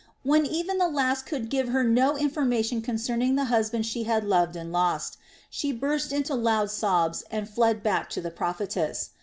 When even the last could give her no information concerning the husband she had loved and lost, she burst into loud sobs and fled back to the prophetess.